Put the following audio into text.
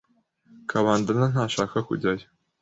Kabandana ntashaka kujyayo.